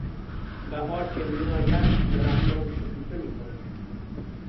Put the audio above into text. بهار که میآید درختان شکوفه میکنند.